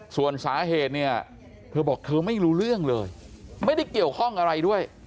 ส่วนสาเหตุเนี่ยเธอบอกเธอไม่รู้เรื่องเลยไม่ได้เกี่ยวข้องอะไรด้วย